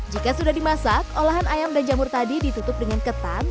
jika sudah dimasak olahan ayam dan jamur tadi ditutup dengan ketan